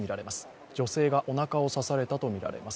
女性がおなかを刺されたとみられます。